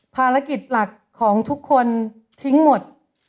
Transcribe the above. ภารกิจหลักของทุกคนทิ้งหมด